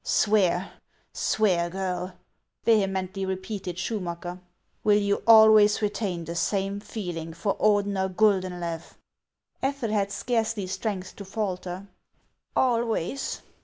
"Swear, swear, girl!" vehemently repeated Schumacker. 416 HANS OF ICELAND. "Will you always retain the same feeling for Ordener Guldenlew ?" Ethel had scarcely strength to falter, " Always."